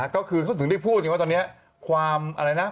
ก็คือเขาถึงได้พูดอย่างว่าตอนนี้